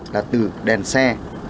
là từ đèn xe